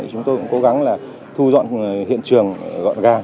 chúng tôi cũng cố gắng là thu dọn hiện trường gọn gàng